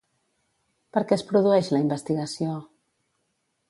Per què es produeix la investigació?